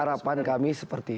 harapan kami seperti itu